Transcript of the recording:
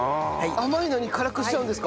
甘いのに辛くしちゃうんですか？